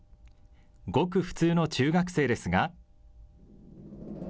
ごく普通の中学生ですが。